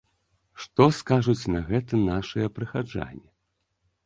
Што скажуць на гэта нашыя прыхаджане?